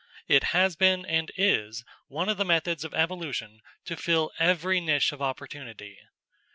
_It has been and is one of the methods of evolution to fill every niche of opportunity.